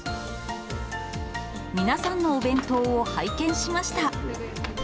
皆さんのお弁当を拝見しました。